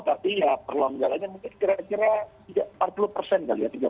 tapi ya perlu menjalankan mungkin kira kira empat puluh persen kali ya